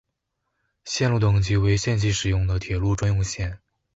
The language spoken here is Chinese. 线路等级为限期使用的铁路专用线。